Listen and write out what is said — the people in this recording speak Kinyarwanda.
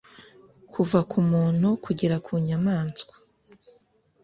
kuva ku muntu kugeza ku nyamaswa,